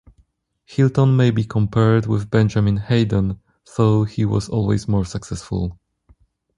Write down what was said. Hilton may be compared with Benjamin Haydon, though he was always more successful.